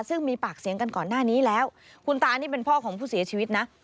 ซึ่งมีปากเสียงกันก่อนหน้านี้แล้วคุณตานี่เป็นพ่อของผู้เสียชีวิตนะ